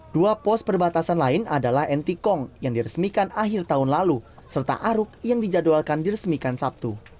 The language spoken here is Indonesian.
dua pos perbatasan lain adalah ntkong yang diresmikan akhir tahun lalu serta aruk yang dijadwalkan diresmikan sabtu